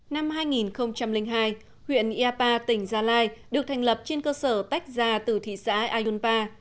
năm hai nghìn hai huyện yapa tỉnh gia lai được thành lập trên cơ sở tách ra từ thị xã ayunpa